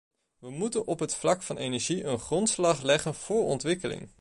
We moeten op het vlak van energie een grondslag leggen voor ontwikkeling.